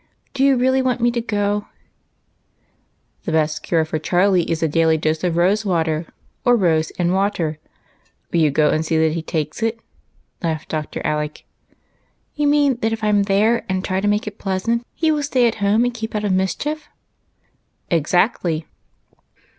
Do you really want me to go ?"" The best cure for Charlie is a daily dose of Rose water, or Rose and water ; will you go and see that he takes it ?" laughed Dr. Alec. " You mean that if I 'm there and try to make it pleasant, he will stay at home and keep out of mis chief?" " Exactly."